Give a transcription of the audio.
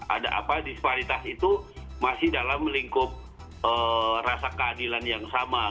ada apa disparitas itu masih dalam lingkup rasa keadilan yang sama